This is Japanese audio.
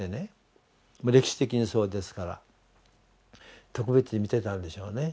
歴史的にそうですから特別に見てたんでしょうね。